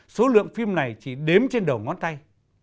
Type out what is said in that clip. số lượng phim này chỉ đếm trên đầu ngón tay